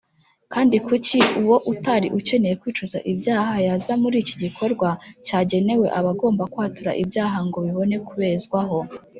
Kandi kuki uwo utari ukeneye kwicuza ibyaha yaza muri iki gikorwa cyagenewe abagomba kwatura ibyaha ngo bibone kubezwaho ?